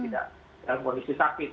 dalam kondisi sakit